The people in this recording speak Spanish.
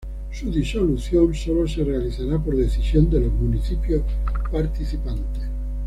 Su disolución solo se realizará por decisión de los municipios participantes.